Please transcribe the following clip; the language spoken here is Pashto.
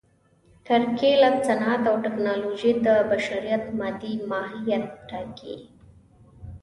کرکېله، صنعت او ټکنالوژي د بشریت مادي ماهیت ټاکي.